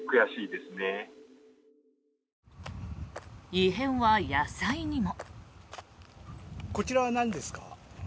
異変は野菜にも。